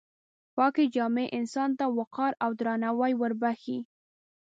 پاکې جامې انسان ته وقار او درناوی وربښي.